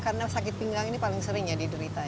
karena sakit pinggang ini paling sering ya didurita ya